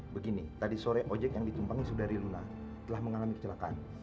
begini tadi sore ojek yang ditumpangi sudari luna telah mengalami kecelakaan